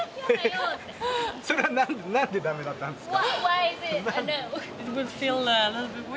それはなんでだめだったんですか？